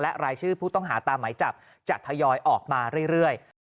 และรายชื่อผู้ต้องหาตามหมายจับจะทยอยออกมาเรื่อย